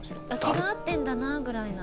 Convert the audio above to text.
気が合ってるんだなぐらいな。